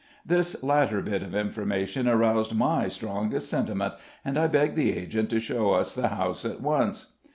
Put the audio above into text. This latter bit of information aroused my strongest sentiment, and I begged the agent to show us the house at once.